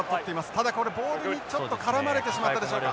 ただこれボールにちょっと絡まれてしまったでしょうか。